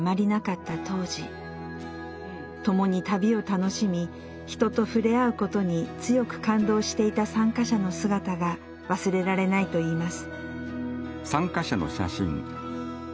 共に旅を楽しみ人と触れ合うことに強く感動していた参加者の姿が忘れられないといいます。